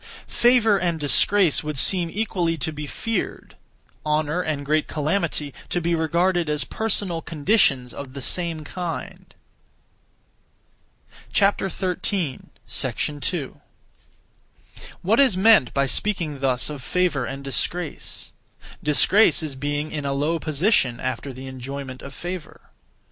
Favour and disgrace would seem equally to be feared; honour and great calamity, to be regarded as personal conditions (of the same kind). 2. What is meant by speaking thus of favour and disgrace? Disgrace is being in a low position (after the enjoyment of favour).